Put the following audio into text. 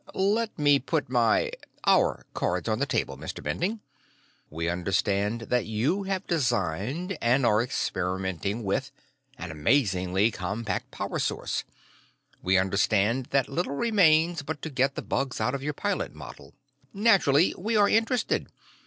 "Let me put my ... our cards on the table, Mr. Bending. We understand that you have designed, and are experimenting with, an amazingly compact power source. We understand that little remains but to get the bugs out of your pilot model. "Naturally, we are interested.